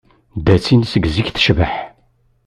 Dassin seg zik tecbeḥ.